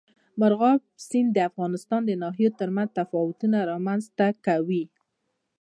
مورغاب سیند د افغانستان د ناحیو ترمنځ تفاوتونه رامنځ ته کوي.